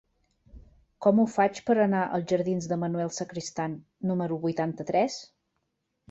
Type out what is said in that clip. Com ho faig per anar als jardins de Manuel Sacristán número vuitanta-tres?